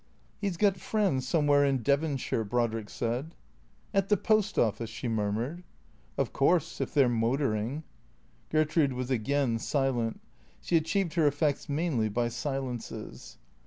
" He 's got friends somewhere in Devonshire," Brodrick said. " At the Post Office ?" she murmured. " Of course — if they 're motoring." Gertrude was again silent (she achieved her effects mainly by silences).